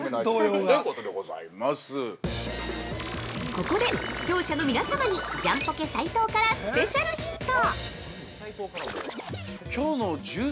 ◆ここで、視聴者の皆様にジャンポケ斉藤からスペシャルヒント！